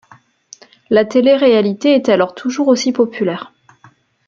La télé-réalité est alors toujours aussi populaire.